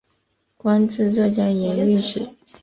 官至浙江盐运使。